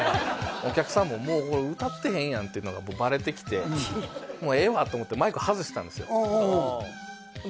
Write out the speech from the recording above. お客さんももうこれ歌ってへんやんっていうのがバレてきてもうええわと思ってマイク外したんですよで